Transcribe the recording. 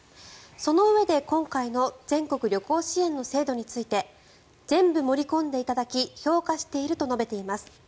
そのうえで、今回の全国旅行支援の制度について全部盛り込んでいただき評価していると述べています。